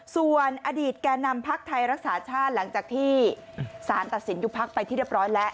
ส่วนอดีตแก่นำพักไทยรักษาชาติหลังจากที่สารตัดสินยุบพักไปที่เรียบร้อยแล้ว